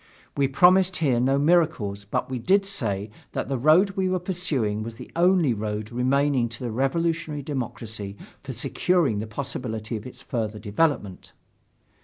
We promised here no miracles but we did say that the road we were pursuing was the only road remaining to the revolutionary democracy for securing the possibility of its further development.